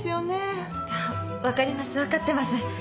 分かります分かってます。